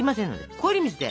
氷水で。